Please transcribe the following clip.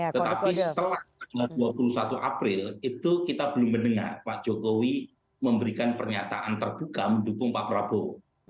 tetapi setelah tanggal dua puluh satu april itu kita belum mendengar pak jokowi memberikan pernyataan terbuka mendukung pak prabowo